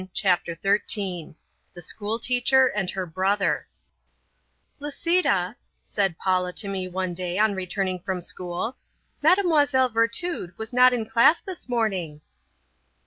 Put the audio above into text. CHAPTER THIRTEEN THE SCHOOL TEACHER AND HER BROTHER "Lisita," said Paula to me one day on returning from school, "Mlle. Virtud was not in class this morning."